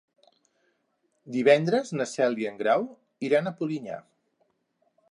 Divendres na Cel i en Grau iran a Polinyà.